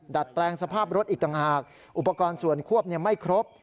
ดัดแปลงสภาพรถอีกต่างหากอุปกรณ์ส่วนควบไม่ครบ